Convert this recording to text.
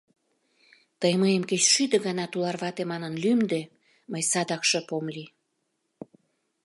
— Тый мыйым кеч шӱдӧ гана тулар вате манын лӱмдӧ, мый садак шып ом лий!